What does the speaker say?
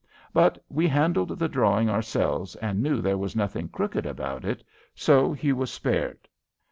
But we handled the drawing ourselves and knew there was nothing crooked about it, so he was spared.